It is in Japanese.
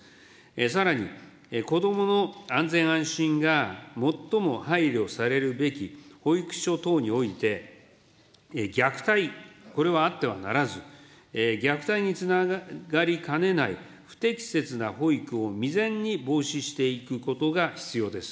さらに子どもの安全安心が最も配慮されるべき保育所等において、虐待、これはあってはならず、虐待につながりかねない不適切な保育を未然に防止していくことが必要です。